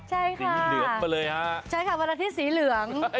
ใช่ค่ะสีเหลืองมาเลยฮะใช่ค่ะวันละที่สีเหลือง